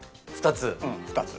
２つ？